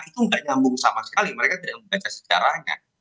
itu nggak nyambung sama sekali mereka tidak membaca sejarahnya